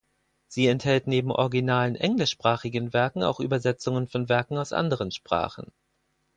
Sie enthält neben originalen englischsprachigen Werken auch Übersetzungen von Werken aus anderen Sprachen.